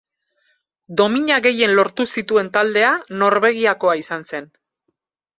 Domina gehien lortu zituen taldea Norvegiakoa izan zen.